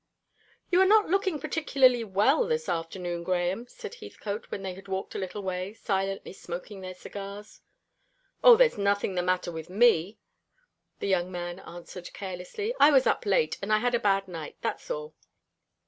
"You are not looking particularly well this afternoon, Grahame," said Heathcote, when they had walked a little way, silently smoking their cigars. "O, there's nothing the matter with me," the young man answered carelessly. "I was up late, and I had a bad night, that's all."